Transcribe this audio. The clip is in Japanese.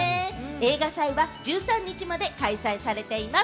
映画祭は１３日まで開催されています。